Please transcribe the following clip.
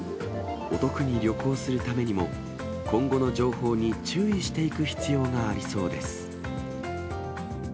お得に旅行するためにも、今後の情報に注意していく必要がありそうです。